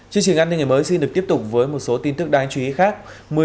chương trình an ninh ngày mới xin được tiếp tục với một số tin tức đáng chú ý khác